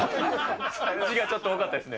ちょっと多かったですね。